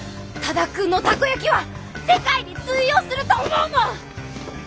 多田くんのたこやきは世界に通用すると思うの！